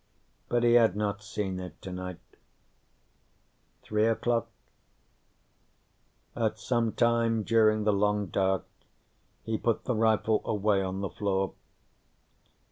But he had not seen it tonight. Three o'clock? At some time during the long dark, he put the rifle away on the floor.